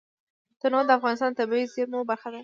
تنوع د افغانستان د طبیعي زیرمو برخه ده.